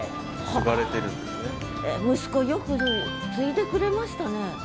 息子よく継いでくれましたね。